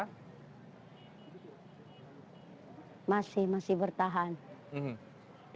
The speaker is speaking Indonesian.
masih masih bertahan